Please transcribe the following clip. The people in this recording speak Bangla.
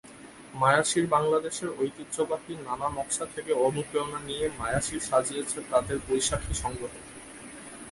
মায়াসীরবাংলাদেশের ঐতিহ্যবাহী নানা নকশা থেকে অনুপ্রেরণা নিয়ে মায়াসীর সাজিয়েছে তাদের বৈশাখী সংগ্রহ।